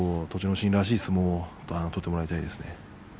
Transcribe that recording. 心らしい相撲を取ってもらいたいです。